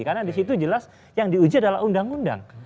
karena disitu jelas yang diuji adalah undang undang